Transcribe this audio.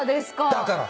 だから！